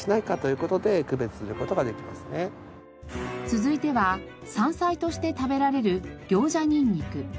続いては山菜として食べられるギョウジャニンニク。